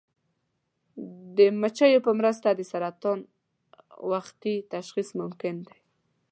د مچیو په مرسته د سرطان وختي تشخیص ممکن دی.